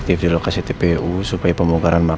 iya insya allah ma